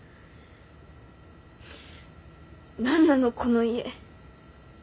何なのこの家。